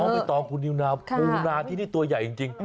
น้องเป็นตรอยุนะมิวนาที่นี่ตัวใหญ่จริง